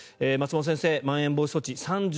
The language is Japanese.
松本先生、まん延防止措置